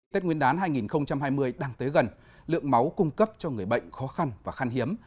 tết nguyên đán hai nghìn hai mươi đang tới gần lượng máu cung cấp cho người bệnh khó khăn và khăn hiếm